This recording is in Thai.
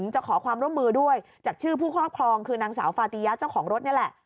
จากชื่อผู้ครอบครองคือนางสาวฟาติยะเจ้าของรถเนี่ยแหละ